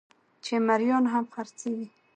چې مريان هم خرڅېږي